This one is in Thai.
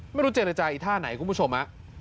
ไม่รู้เจรจาอีกท่าไหนคุณผู้ชม